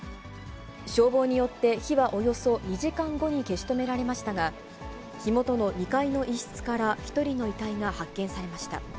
消防によって火はおよそ２時間後に消し止められましたが、火元の２階の一室から１人の遺体が発見されました。